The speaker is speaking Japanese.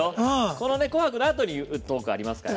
この「紅白」のあとにトークありますから。